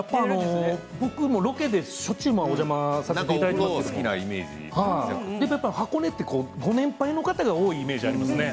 僕もロケで、しょっちゅうお邪魔させていただいてるんですが、箱根でご年配の方が多いイメージがありますね。